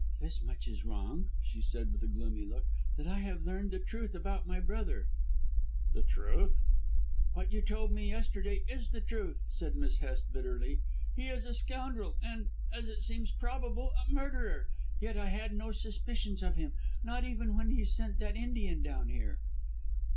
"This much is wrong," she said with a gloomy look, "that I have learned the truth about my brother." "The truth " "What you told me yesterday is the truth," said Miss Hest bitterly. "He is a scoundrel and as it seems probable a murderer. Yet I had no suspicions of him, not even when he sent that Indian down here."